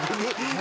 「何？